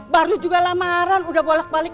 baru juga lamaran udah bolak balik